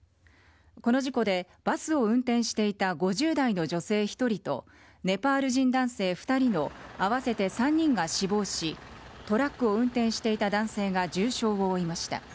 この事故で、バスを運転していた５０代の女性１人とネパール人男性２人の合わせて３人が死亡しトラックを運転していた男性が重傷を負いました。